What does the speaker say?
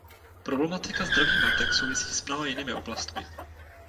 Problematika zdraví matek souvisí s mnoha jinými oblastmi.